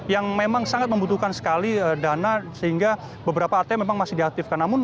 yang memang sangat membutuhkan sekali dana sehingga beberapa atm memang masih diaktifkan